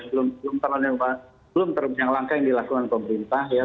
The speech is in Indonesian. belum terlalu banyak langkah yang dilakukan pemerintah ya